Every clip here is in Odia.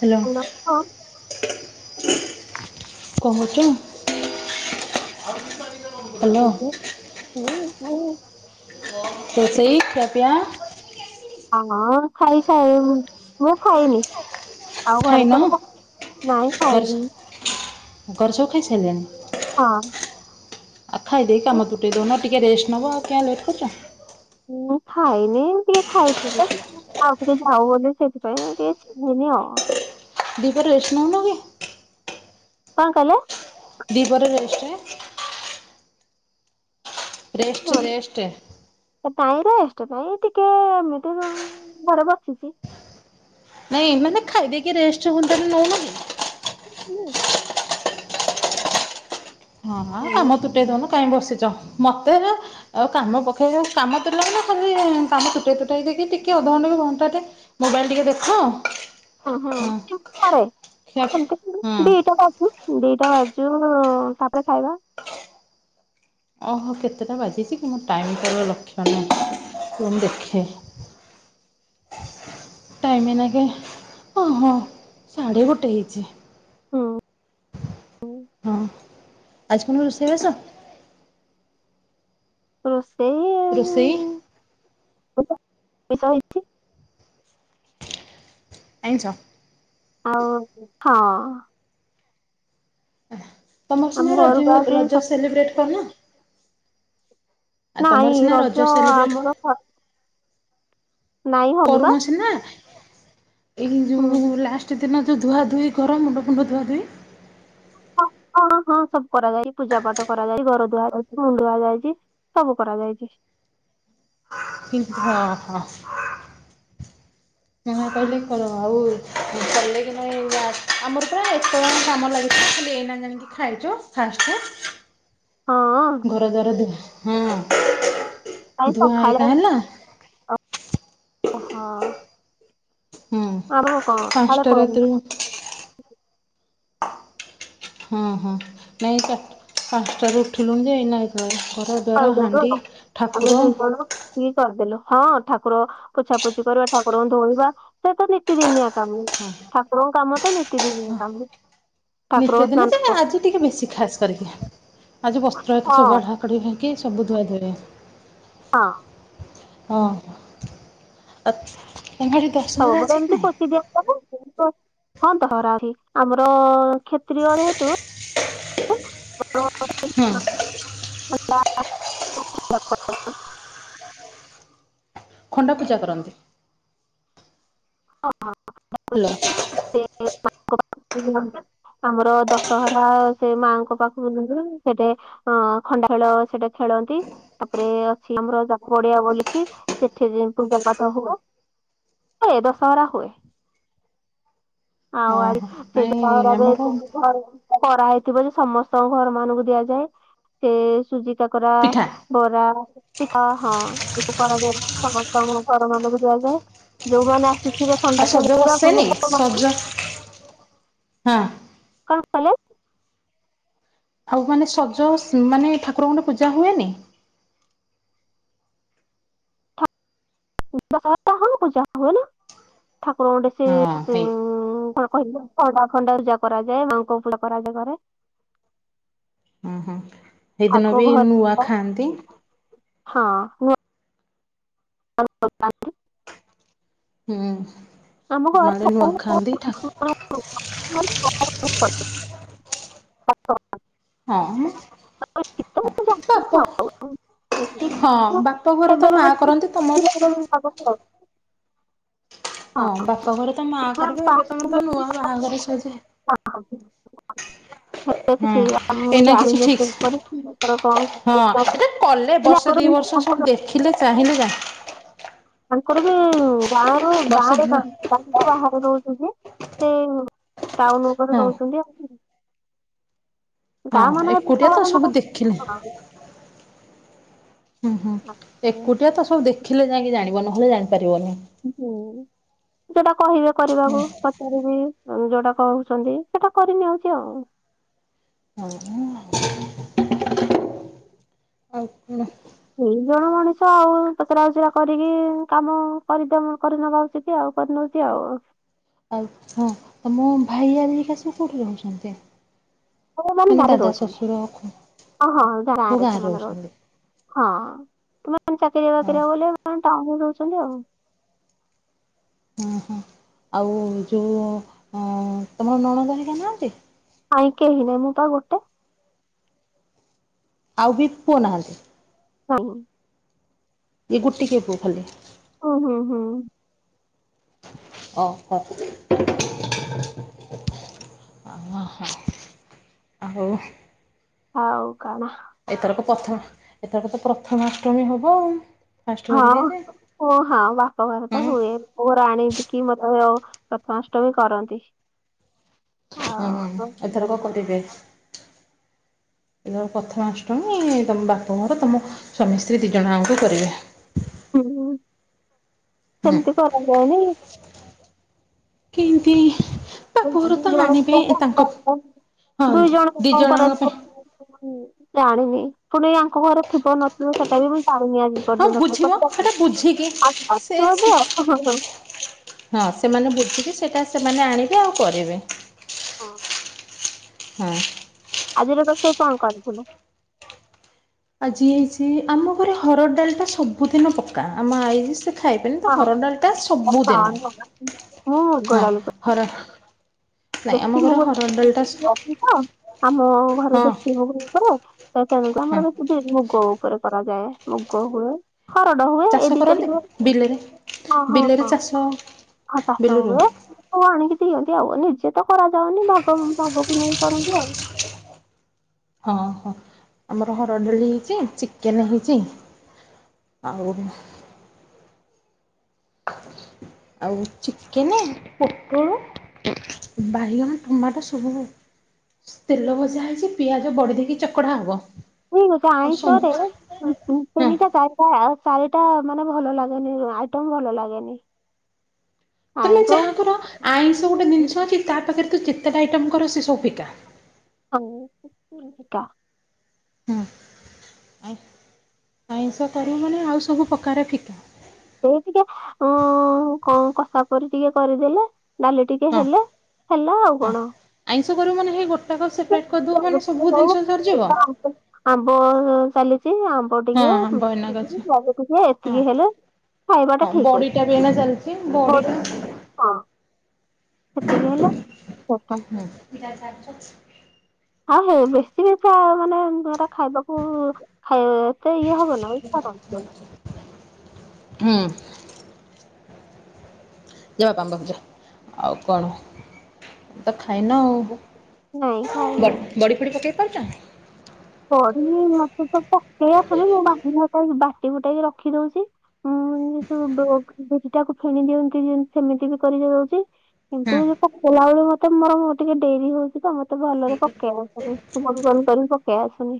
ହାଲୋ। କଣ କହୁଚୁ। ହାଲୋ। ଉ ନାହିଁ। ରୋଷେଇ ଖିଆ ପିଆ। ହଁ ଖାଇସାରିଲୁଣି ମୁଁ ଖାଇନି। ଆଉ ଘରେ ଖାଇନ? ତ ସବୁ ହଁ ନାଇଁ ଘରେ ଖାଇନି। ଘରେ ସବୁ ଖାଇସାରିଲେଣି। ହଁ। ଆ ଖାଇ ଦେଇକି କାମତୁଟେଇ ଦଉନ ଟିକେ ରେଷ୍ଟ୍ ନବ ଆଉ କାଈ ଲେଟ୍ କରୁଚ। ମୁଁ ଖାଇନି ଟିକେ ଖାଇଥିଲି ତ। ଆଉ ଟିକେ ଯାଉ ବୋଲି ସେଥିପାଇଁ ଟିକେ ଖାଇନି ଆଉ। ଦିପହରେ ରେଷ୍ଟ ନଉନ କି? କଣ କହିଲେ? ଦିପହରେ ରେଷ୍ଟେ ରେଷ୍ଟ୍ ରେଷ୍ଟ୍। କାଇଁ ରେଷ୍ଟ୍ କାଇଁ ଟିକେ ଏମିତି ଘରେ ବସିଚି। ନାଇଁ ମାନେ ଖାଇ ଦେଇକି ରେଷ୍ଟ୍ ହୁଅନ୍ତା ନଉନକି? ବୁଟୁଲୁ ହଁ କାମ ତୁଟେଇ ଦଉନୁ କାଇଁ ବସିଛ ମତେ ହେରା ଆଉ କାମ ପକେଇ କାମ ତିଲା ନା ଖାଲି କାମ ତୁଟେଇ ତୁଟାଇ ଦେଇକି ଟିକେ ଅଧଘଣ୍ଟା ବି ଘଣ୍ଟାଟେ ମୋବାଇଲି ଟିକେ ଦେଖ ହଁ ହଁ ସେମତି କରେ ଖିଆ ହଁ ସେମତି ଦିଇଟା ପାସ୍ ବୋକ୍ ଦିଇଟା ବାଜୁ ତାପରେ ଖାଇବା। ଓହୋ କେତେଟା ବାଜିଛି କି ମୋ ଟାଇମିଟାରେ ଲକ୍ଷ୍ୟ ନାହିଁ ରୁହ ମୁଁ ଦେଖେ। [inaudible] ଟାଇମି ଏଇନାକେ ଅ ହଁ ଶାଢ଼େ ଗୋଟେ ହେଇଛି। ହଁ ଆଉ ହଁ ଆଜି କଣ ରୋଷେଇବାସ? ରୋଷେଇ ରୋଷେଇ କ ତ କିସ ହେଇଛି। ଆଇଁଷ। ଆଉ ହଁ। ତମ ଆମ ସଙ୍ଗ ରଜ ଘରକୁ ଆଜି ରଜ ସ ସେଲିବ୍ରେଟ କରିନ। ନାଇଁ ରଜ ସେଲିବ୍ରେଟ୍ ଆମର ନାଇଁ ହଉନି ବା କରୁନ ସିନା ଏଇ ହୁଁ। ଯୋଉ ଲାଷ୍ଟ ଦିନ ଯୋଉ ଧୁଆ ଧୁଇ ଘର ମୁଣ୍ଡ ଫୁଣ୍ଡ ଧୁଆ ଧୁଇ। ହ ହଁ ହଁ ସବୁ କରାଯାଇ ପୂଜା ପାଠ କରାଯାଇ ଘର ଧୁଆ ଯାଇଛି ମୁଁ ଧୁଆ ଯାଇଛି। ସବୁ କରାଯାଏ। କିନ୍ତୁ ଓହୋ। କ କହିଲେ କର ଆଉ କଲେ କି ନ ଏଇ ଆମର ପା ଏତେ ଜଣ କାମ ଲାଗିଥିଲା ଖାଲି ଏଇନା [unintelligible] ଖାଇଚୁ [unintelligible] ହଁ। ଘର ଦ୍ୱାର ଦ ହଁ। [unintelligible] ଧୁଆ ପଖାଳ ହେଇକା ହେଲା ଅ ହଁ। [unintelligible] ହ ହଁ ହଁ ନାଇଁ ପାଞ୍ଚଟାରୁ ଉଠିଲୁଣି ଯେ ଏଇନା [unintelligible] ଘର ଦ୍ୱାର ହାଣ୍ଡି [unintelligible] ଠାକୁର ଆମେ ଦୁଇ ଜଣ କି କରିଦେଲୁ ହଁ ଠାକୁର ପୋଛାପୋଛି କରିବା ଠାକୁରଙ୍କୁ ଧୋଇବା ସେ ତ ନିତି ଦିନିଆ କାମ, ହଁ ଠାକୁରଙ୍କ କାମ ତ ନିତି ଦିନିଆ କାମ। ନିତି ଠାକୁରଙ୍କୁ ଦିନି ସ୍ନାନ ଯେ କର- ଆଜି ଟିକେ ବେଶୀ ଖାସ୍ କରିକି ଆଜି ବସ୍ତ୍ର ଏକା ହଁ ସବୁଆଡ଼େ [unintelligible] ସବୁ ଧୁଆ ଧୁଇ ହୁଏ। ହଁ। ହଁ ଆ [unintelligible] ହଉ ମୋର ଏମ୍ତି ପୋଚି ଦିଅ ସବୁ। ହଁ ତ [unintelligible] ଅଛି ଆମର କ୍ଷେତ୍ରୀୟ ଯେହେତୁ ହଁ [unintelligible] ଖଣ୍ଡା ପୂଜା କରନ୍ତି। ହେଲା [unintelligible] ଆମର ଦଶହରା ସେ ମାଆଙ୍କ ପାଖକୁ [unintelligible] ସେଟି ହଁ ଖଣ୍ଡା ଖେଳ ସେଇଟା ଖେଳନ୍ତି। ତାପରେ ଅଛି ଆମର ଯା ପଡିଆ ବୋଲିଛି ସେଠି ପୂଜା ପାଠ ହବ। [unintelligible] [unintelligible] ହୁଏ ଆଉ ଓହୋ ସେ [unintelligible] ନାଇଁ ଆମର କରାହେଇଥିବ ଯେ ସମସ୍ତଙ୍କ ଘର ମାନଙ୍କୁ ଦିଆଯାଏ, ସେ ସୁଜି କାକରା ପିଠା ଆଉ ବରା ପିଠା ହଁ ଏସବୁ କରାଯଏ ସମସ୍ତ ଘର ମାନଙ୍କୁ ଦିଆଯାଏ। ଯୋଉମାନେ ଆସିଥିବେ ଆ ଥଣ୍ଡା ସଜ ଫେରିବା ବସେନି କଣ ସଜ କଣ ପାଇଁ? ଆଉ ମାନେ ସଜ ମାନେ ଠାକୁରଙ୍କଟେ ପୂଜା ହୁଏନି? ଦଶହରା ହଁ ପୂଜା ହୁଏ ନା ଠାକୁର ଗଣ୍ଡେ ସେ ହଁ ଉ ହେଇ କଣ କହିଲ ଖଣ୍ଡା-ଖଣ୍ଡା ପୂଜା କରାଯାଏ, ମାଙ୍କ [unintelligible] କରାଯାଏ ଘରେ। ହଁ ହଁ ସେଇଦିନ ବି ନୂଆ [unintelligible] ଖାଆନ୍ତି ହଁ। [unintelligible] ହୁଁ ଆମ ଆଡ଼େ ନୂଆ ଖାଆନ୍ତିି ଠାକୁ ହଁ ମ୍ ପାପ। ହଁ ବାପ ଘରେ ତ ମା କରନ୍ତି ତମ [unintelligible] ହଁ ବାପା ଘରେ ତ ମା କରିବେ ଏବେ ତମର ତ ନୂଆ ବାହାଘର ସରିଚି [unintelligible] ହଁ ଏଇନା କିଛି ଠିକ୍ ହଁ ଏଟା [unintelligible] କଲେ ବର୍ଷେ ଦି ବର୍ଷ ସବୁ ଦେଖିଲେ ଚାହିଁଲେ [unintelligible] ତାଙ୍କର ବି ଗାଁରୁ ଗାଁ ବର୍ଷେ ର ଗାଁ ବାପା ବାହାରେ ରହୁଚିନ୍ତି, ସେ ଟାଉନ୍ ଉପରେ ହଁ ରହୁଚନ୍ତି ଆଉ। ଗାଁ ହଁ ମାନେ ଏକୁଟିଆ ତ ସବୁ ଦେଖିଲେ [unintelligible] ହୁଁ ହୁଁ ଏକୁଟିଆ ତ ସବୁ ଦେଖିଲେ ଯାଇକି ଜାଣିବ ନହେଲେ ଜାଣିପାରିବନି ହୁଁ ସେଟା କହିବେ କରିବାକୁ କରିବି ଯୋଉଟା କହୁଛନ୍ତି ସେଟା କରିନିଅନ୍ତି ଆଉ। ଅ ହ। ଆଉ କଣ? ଦୁ ଜଣ ମଣିଷ ଆଉ ପଚରା ଉଚରା କରିକି କାମ କରିଦ କରିନବା ଉଚିତ୍ ଆଉ କରିନଉଛି ଆଉ। ଆଉ ହଁ ଆ ମୋ ଭାଇ ଆରିକା ସବୁ କେଉଁଠି ରହୁଛନ୍ତି। ଆଉ ମାନେ ଗାରେ ଦାଦା ରହୁଛନ୍ତି ଶ୍ୱଶୁର ହହ ଗାଁ ସବୁ ରେ ଗାଁରେ ସେମାନେ ରହୁଛନ୍ତି। ହଁ ତମେ ଚାକିରିଆ ହଁ ବାକିରିଆ ବୋଲି ଟାଉନ୍ ରେ ରହୁଛନ୍ତି। ହଁ ହଁ ଆଉ ଯଉଁ ତମର ନଣନ୍ଦ ହାରିକା ନାହାଁନ୍ତି। ନାଇଁ କେହି ନାଇଁ ମୁଁ ପା ଗୋଟେ। ଆଉ ବି ପୁଅ ନାହାନ୍ତି। ନାହିଁ। ଏଇ ଗୋଟିକ ପୁଅ ଖାଲି। ହୁଁ ହୁଁ ହୁଁ। ଓ ହୋ। ଓହୋ ଆଉ ହୋ ଉ। ଆଉ କଣ। ଏଥରକ ପ୍ରଥମା ଏଥରକ ତ ପ୍ରଥମାଷ୍ଟମୀ ହବ ଆଉ। ଫାଷ୍ଟ ହଁ କରିବେ ଯେ ଓ ହଁ ବାପଘରେ ତ ହଁ ହୁଏ। ପୁଅର ଆଣିକି ମତେ ପ୍ରଥମାଷ୍ଟମୀ କରନ୍ତି। ହୁଁ ହୁଁ ଆଉ ଏଥର କ କରିବେ। ଯୋଉ ପ୍ରଥମାଷ୍ଟମୀ ତମ ବାପ ଘର ତୁମ ସ୍ୱାମୀ ସ୍ତ୍ରୀ ଦିଇଜଣ ଆଙ୍କୁ କରିବେ। ହୁଁ ହୁଁ ସେମିତି କରାଯାଏନି। କିନ୍ତି। ଦୁଇଜଣ [unintelligible] ହଁ ଦୁଇ ଦି ଜଣଙ୍କୁ କଣ ଜଣଙ୍କ ପାଇଁ କରା ହଁ ଜାଣିନି ପୁଣି ଏ ଆଙ୍କ ଘରେ ଥିବ ନଥିବ ସେଟା ବି ମୁଁ ଜାଣିନି ଆଜି। ହଁ ବୁଝିବ ପର୍ଯ୍ୟନ୍ତ ସେଟା ବୁଝିକି ସେ ଆ [unintelligible] ହଁ ସେମାନେ ବୁଝିକି ସେଇଟା ସେମାନେ ଆଣିବେ ଆଉ କରିବେ। ହଁ। ହଁ। ଆଜିର ରୋଷେଇ କଣ କରିଥିଲେ? ଆଜି ହେଇଛି ଆମ ଘରେ ହରଡ଼ ଡାଲି ଟା ସବୁଦିନ ପକ୍କା ଆମ ଆଇସ୍ ସେ ଖାଇବେନି ତ ହରଡାଲି ଟା ସବୁଦିନ ମୁଁ ମୁଗ ହଁ ଡାଲି କରି ହର ନାଇଁ ଆମ ଦେଶୀ ଘରେ ମୁଗ ହରଡ଼ ଡାଲିଟା ଅଛି ତ ଆମ ଘରେ ହଁ ଦେଶୀ [unintelligible] ଆମର ହଁ ବେସି ଏଠି ମୁଗ ଉପରେ କରାଯାଏ ମୁଗ ହୁଏ। ହରଡ ହୁଏ ଚାଷ ଏ ଦିଟା କରନ୍ତି ଟିକେ ବିଲରେ ହଁ ହଁ ବିଲରେ ହଁ। ଚାଷ ହଁ ଚାଷ ବିଲରୁ ହୁଏ। ହଁ ସବୁ ଆଣିକି ଦିଅନ୍ତି ଆଉ ନିଜେ ତ କରାଯାଉନି ଭାଗକୁ ଭାଗକୁ ନେଇ କରନ୍ତି ଆଉ। ହଁ ହଁ ଆମର ହରଡ଼ ଡାଲି ହେଇଛି ଚିକେନ ହେଇଛି। ଆଉ। ଆଉ ଚିକେନ ପୋତୋଳ ବାଇଗଣ ଟମାଟୋ ସବୁ ତେଲ ଭଜା ହେଇଛି ପିଆଜ ବଢି ଦେଇେକି ଚକଡା଼ ହବ। ହୁଁ ମୋତେ ଆଉ ସୋନ ଆଇଁଷରେ ହଁ ତିନିଟା ଚାରିଟା ଚାରିଟା ମାନେ ଭଲ ଲାଗେନି ଆଇଟମ ଭଲ ଲାଗେନି। ତମେ ଆଇଁଷ। ଯାହା ଆଇଁଷ ଗୋଟେ ଜିନିଷ ଅଛି ତା ପାଖରେ ତୁ ଯେତେଟା ଆଇଟମ କର ସେ ସବୁ ପିକା [inaudible] ହୁଁ ଆଇଁସ କରୁ ମାନେ ଆଉ ସବୁ ପ୍ରକାର ଫିକା ସେଇ ଟିକେ ଅ କଷା କଷି କରିଦେଲେ ଡାଲି ଟିକେ ହଁ ହେଲେ ହେଲା ଆଉ ହଁ। କଣ? ଆଇଁଷ କରିବୁ ମାନେ ହେଇ ଗୋଟା କପ୍ ସେପରେଟ କରିଦେବୁ ମାନେ ସବୁ ଜିନିଷ ସରିଯିବ। ଆମ୍ବ ଚାଲିଛି ଆମ୍ବ ଟିକେ ହଁ ବଇନା ଅଛି ଟିକେ ହଁ ଏତିକି ହେଲେ ଖାଇବାଟା ହଁ ଠିକ୍ ଅଛି। ବଡିଟା ବି ଏଇନା ଚାଲିଛି ବଡି ଟା ହଁ ସେତିକି ହେଲା [unintelligible] [inaudible] ଆଉ ହେ ବେଶୀ ବି ମାନେ ଏଟା ଖାଇବାକୁ ଖାଇ ଏତେ ଇଏ ହବ ନା। ହୁଁ। [inaudible] ତ ଖାଇନ ଆଉ ନାଇଁ ଖାଇନି। ବଡି ଫଡି ପକେଇ ପାରୁଛ ନା? ବଢି ମତେ ସବୁ ପକେଇ ଆସୁନି ମୁଁ ବାଟି ବୁଟା କି ରଖି ଦଉଛି ଉଁ ସବୁ ବିରିଟାକୁ ଫେଣି ଦିଅନ୍ତି ଯେ ସେମିତି ବି କରି ଦଉଛି। ହଁ କିନ୍ତୁ ଯୋଉ ପକେଇଲା ବେଳେ ମତେ ମୋର ଟିକେ ଡେରି ହଉଛି ତ ମତେ ଭଲରେ ପକେଇ ଆସୁନି। [unintelligible] କରି ପକେଇ ଆସୁନି।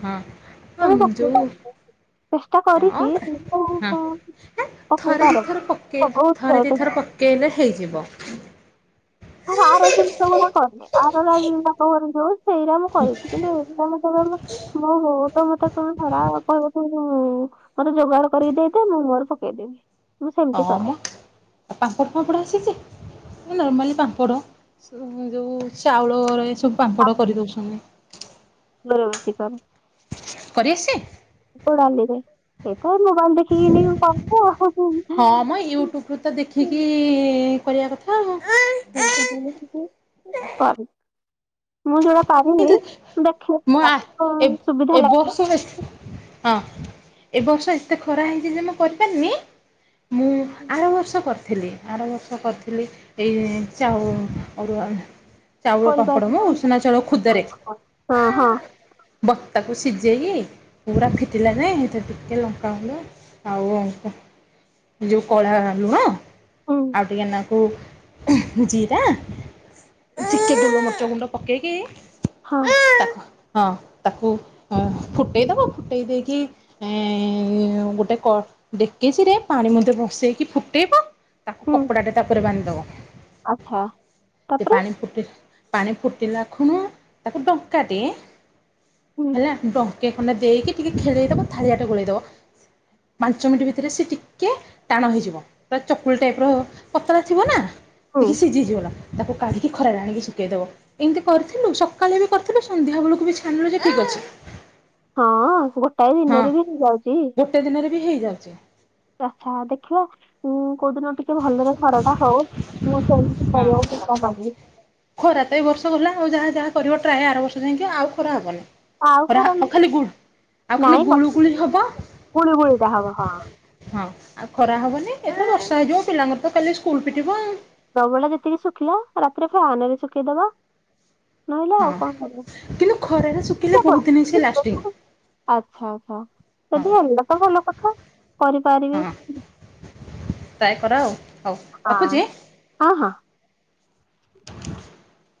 ହଁ କେବେ ପକେଇ ଯୋଉ ଚେଷ୍ଟା ହଁ କରିଛି ହଁ ପକେଇ ଥରେ ପାରେନି ବହୁତ୍ କେନେ ହେଇଯିବ। ଆ ଆର ଜିନିଷ ମ କରିନି ଆର ଜି ଯଉ ସେଇଟା ମୁଁ କରିଛି କିନ୍ତୁ ସେଇରା ବେ ମଁ ହଉ ତ ମତେ ଧରା କହିବ [inaudible] ମତେ ଯୋଗାଡ଼ କରିକି ଦେଇଦେ ମୁଁ ମୋର ପକେଇଦେବି। ମୁଁ ସେମିତି କରେ ହଁମ। ଆଉ ପାମ୍ପଡ଼ ଫାମ୍ପଡ଼ ଆସିଛି ନର୍ମାଲି ପାମ୍ପଡ଼ ଯେଉଁ ଚାଉଳରେ ସବୁ ପାମ୍ପଡ଼ କରିଦଉଛନ୍ତି। [inaudible] କରି ଆସିଛି? ଡାଲିରେ ଏ ତ ମୋବାଇଲ ଦେଖିକିନି ସବୁ ହଁ ମ ୟୁଟ୍ୟୁବରୁ ତ ଦେଖିକି କରିବା କଥା ଆଉ [inaudible] ମୁଁ ଯୋଉଟା ପାରିବି ଦେଖିଆ ମୁଁ ଆ ଏ କଣ ସୁବିଧା ଏ ଲାଗ। ବର୍ଷ ହଁ ଏ ବର୍ଷ ଏତେ ଖରା ହେଇଛି ଯେ ମୁଁ କରିପାରିନି ମୁଁ ଆର ବର୍ଷ କ ଥିଲି ଆରବର୍ଷ କରିଥିଲି ଏଇ ଚାଉ ଅରୁଆ ଚାଉଳ ପାମ୍ପଡ ମ କରିପାରିବି ଉସନା ଚାଉଳ ଖୁଦରେ। ହଁ ହଁ ବତ୍ତାକୁ ସିଝେଇକି ପୁରା ଫିଟିଲା ଯାଏ ସେଥିରେ ଟିକେ ଲଙ୍କା ଗୁଣ୍ଡ ଆଉ ଯୋଉ କଳା ଲୁଣ ହୁଁ ଆଉ ଟିକେ ଲ ଆ ଜିରା ଟିକେ ଗୋଲମରିଚ ଗୁଣ୍ଡ ପକେଇକି ହଁ। ହଁ ତାକୁ ଫୁଟେଇଦବ ଫୁଟେଇ ଦେଇକି ଏଁ ଗୋଟେ କ ଡେକେଚିରେ ପାଣି ମଧ୍ୟ ବସେଇକି ଫୁଟେଇବ ତାକୁ ହୁଁ କପଡା ଟେ ତାପରେ ବାନ୍ଧିଦବ ଆଚ୍ଛା ସେ ତାପରେ ପାଣି ଫୁଟି ପାଣି ଫୁଟିଲା ଖୁଣୁ ତାକୁ ଡଙ୍କା ଦିଏ ହୁଁ ହେଲା ଡ ଟିକେ ଖନେ ଦେଇକି ଟିକେ ଖେଳେଇଦେବ ଥାଳିଆଟେ ଗୋଳେଇଦବ ପାଞ୍ଚ ମିନ୍ଟି ଭିତିରେ ସେ ଟିକେ ଟାଣ ହେଇଯିବ ପୁରା ଚକୁଳୀ ଟାଇପ୍ ର ପତଳା ଥିବ ନା। ହୁଁ ଟିକେ ସିଝିଗଲା ତାକୁ କାଢିକି ଖରାରେ ଆଣିକି ଶୁଖେଇ ଦବ ଏନ୍ତି କରି ସକାଳେ ବି କର୍ଥିଲୁ ସନ୍ଧ୍ୟା ବେଳକୁ ବି ଛାଣିଲୁ ସେ ଠିକ୍ ଅଛି ହଁ ଗୋଟାଏ ହଁ ଦିନରେ ବି ହେଇଯାଉଛି ଗୋଟେ ଦିନରେ ବି ହେଇଯାଉଛି। ଆଚ୍ଛା ଦେଖିବା ଉଁ କୋଉଦିନ ଟିକେ ଭଲରେ ଖରଟା ହଉ ମୁଁ ସେମିତି ହଁ। କରିବାକୁ ଚେଷ୍ଟା କରିବି ଖରା ତ ଏଇ ବର୍ଷ ଗଲା ଆଉ ଯାହା ଯାହା କରିବ ଟ୍ରାଏ ଆର ବର୍ଷ ଯାଇଁକି ଆଉ ଖରା ହବନି ଖରା ଆଉ ଖାଲି ଗୁଳ୍ ଆଉ ଖାଲି ନାଇଁ ଗୁଳୁ ଗୋଟେ ଗୁଳି ହବ ଗୁଳି ଗୁଳିଟା ହବ ହଁ ହଁ ଆଉ ଖରା ହବନି ଏବେ ବର୍ଷା ହେଇଯିବ ପିଲାଙ୍କର ତ କାଲି ସ୍କୁଲ୍ ଫିଟିବ ଅ ଦ ବେଳେ ଯେତିକି ଶୁଖିଲା ରାତିରେ ଫ୍ୟାନ୍ ରେ ଶୁଖେଇଦବା ନହଲେ ଆଉ ହଁ। କଣ କରିବା କିନ୍ତୁ ଖରାରେ ଶୁଖିଲେ ବହୁତ୍ ଦିନ ସେ ଲାଷ୍ଟିଙ୍ଗ୍ ଆଚ୍ଛା ଆଚ୍ଛା ଯଦି ହେଲେ ତ ଭଲ କଥା କରିପାରିବେ ହଁ ଟ୍ରାଏ କର ଆଉ ହଉ ଆଁ ରଖୁଛି। ହଁ ହଁ। [unintelligible]